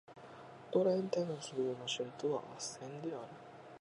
ドレンテ州の州都はアッセンである